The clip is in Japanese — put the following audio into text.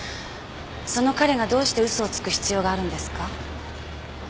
その彼がどうして嘘をつく必要があるんですか？